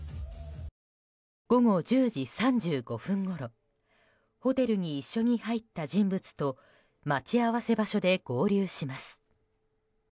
午後１０時３５分ごろホテルに一緒に入った人物と待ち合わせ場所で合流します。